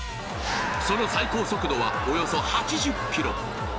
その最高速度はおよそ８０キロ。